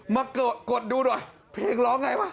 มากดดูด่ว่าเพลงร้องไงวะ